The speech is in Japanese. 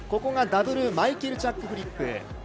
ダブルマイケルチャックフリップ。